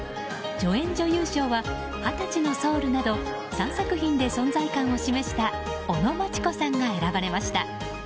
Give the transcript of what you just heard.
助演女優賞は「２０歳のソウル」など３作品で存在感を示した尾野真千子さんが選ばれました。